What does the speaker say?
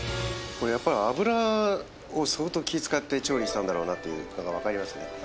これやっぱり脂を相当気つかって調理したんだろうなっていうのがわかりますね。